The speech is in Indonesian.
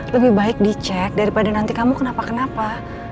lebih baik dicek daripada nanti kamu kenapa kenapa